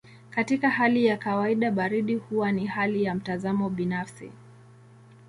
Katika hali ya kawaida baridi huwa ni hali ya mtazamo binafsi.